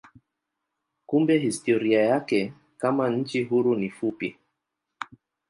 Kumbe historia yake kama nchi huru ni fupi.